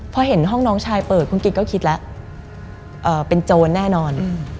พอเห็นห้องน้องชายเปิดคุณกิจก็คิดแล้วเป็นโจรแน่นอน